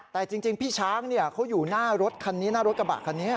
แต่จริงพี่ช้างเขาอยู่หน้ารถคันนี้หน้ารถกระบะคันนี้